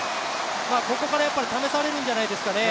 ここから試されるんじゃないですかね。